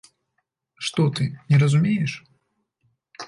Што ты, не разумееш?